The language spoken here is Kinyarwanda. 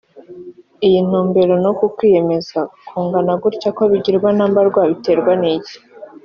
“iyi ntumbero n’uku kwiyemeza kungana gutya ko bigirwa na mbarwa biterwa n’iki